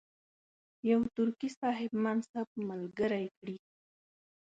یو ترکي صاحب منصب ملګری کړي.